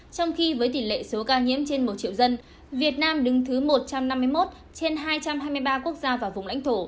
trong khi với tỷ lệ số ca nhiễm trên một triệu dân việt nam đứng thứ một trăm năm mươi một trên hai trăm hai mươi ba quốc gia và vùng lãnh thổ